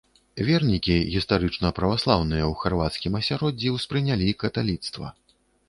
Вернікі, гістарычна праваслаўныя, у харвацкім асяроддзі ўспрынялі каталіцтва.